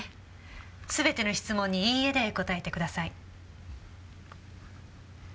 全ての質問に「いいえ」で答えてください。